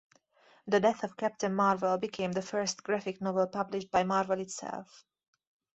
"The Death of Captain Marvel" became the first graphic novel published by Marvel itself.